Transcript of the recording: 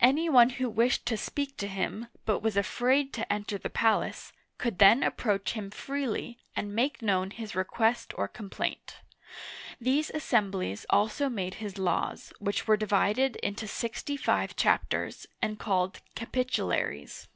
Any one who wished to speak to him, but was afraid to enter the palace, could then approach him freely, and make known his request or Digitized by VjOOQIC CHARLEMAGNE (768 814) 77 complaint. These assemblies also made his laws, which were divided into sixty five chapters, and called "Cap' itularies.'